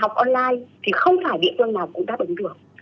học online thì không phải địa phương nào cũng đáp ứng được